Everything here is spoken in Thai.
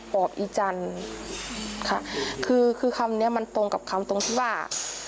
อบอีจันทร์ค่ะคือคือคำเนี้ยมันตรงกับคำตรงที่ว่า